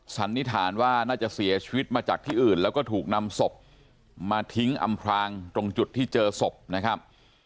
สันนิษฐานว่าน่าจะเสียชีวิตมาจากที่อื่นแล้วก็ถูกนำศพมาทิ้งอำพรางตรงจุดที่เจอศพนะครับ